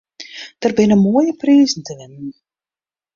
Der binne moaie prizen te winnen.